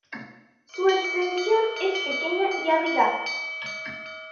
Su extensión es pequeña y abrigada.